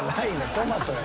トマトや。